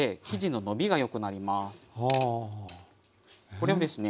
これをですね